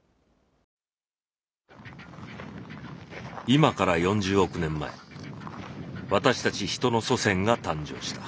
今から４０億年前私たち人の祖先が誕生した。